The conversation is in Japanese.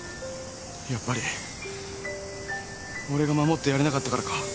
やっぱり俺が守ってやれなかったからか？